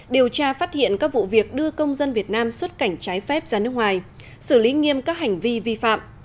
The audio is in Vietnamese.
điều tra phát hiện các vụ việc đưa công dân việt nam xuất cảnh trái phép ra nước ngoài xử lý nghiêm các hành vi vi phạm